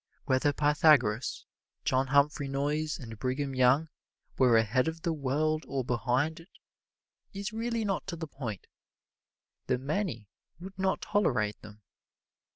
Whether Pythagoras, John Humphrey Noyes and Brigham Young were ahead of the world or behind it is really not to the point the many would not tolerate them.